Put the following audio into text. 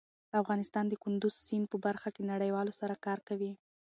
افغانستان د کندز سیند په برخه کې نړیوالو سره کار کوي.